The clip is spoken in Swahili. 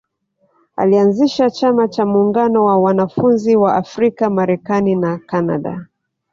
Alianzisha Chama cha muungano wa wanafunzi wa Afrika Marekani na Kanada